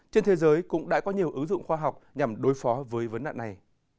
trên thế giới cũng đã có nhiều ứng dụng khoa học nhằm đối phó với vấn nạn này